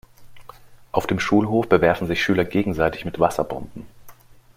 Auf dem Schulhof bewerfen sich Schüler gegenseitig mit Wasserbomben.